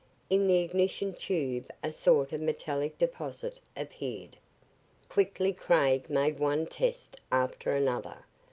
In the ignition tube a sort of metallic deposit appeared. Quickly Craig made one test after another.